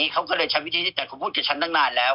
เขาก็เลยใช้วิธีที่แต่เขาพูดกับฉันตั้งนานแล้ว